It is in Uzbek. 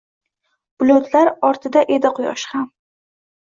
Bulutlar ortida edi quyosh ham.